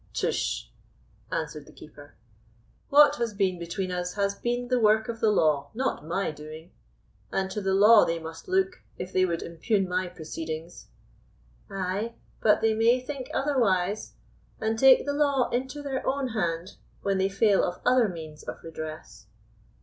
"Tush," answered the Keeper; "what has been between us has been the work of the law, not my doing; and to the law they must look, if they would impugn my proceedings." "Ay, but they may think otherwise, and take the law into their own hand, when they fail of other means of redress."